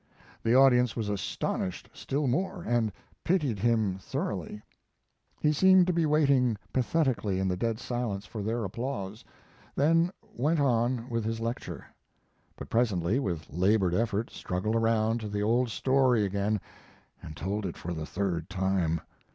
The audience was astonished still more, and pitied him thoroughly. He seemed to be waiting pathetically in the dead silence for their applause, then went on with his lecture; but presently, with labored effort, struggled around to the old story again, and told it for the third time.